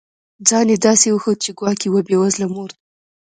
ځان یې داسي وښود چي ګواکي یوه بې وزله مور ده